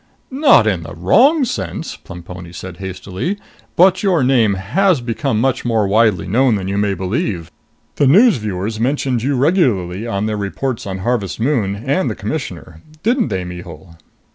"Not in the wrong sense!" Plemponi said hastily. "But your name has become much more widely known than you may believe. The news viewers mentioned you regularly in their reports on Harvest Moon and the Commissioner. Didn't they, Mihul?"